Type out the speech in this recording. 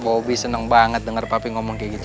hah bobi seneng banget denger papi ngomong kayak gitu